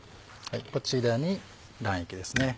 こちらに卵液ですね。